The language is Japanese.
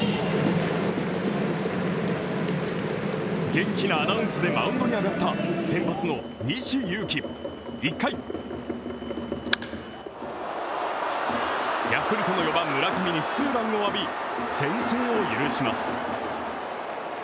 元気なアナウンスでマウンドに上がった先発の西勇輝、１回ヤクルトの４番・村上にツーランを浴び、先制を許します。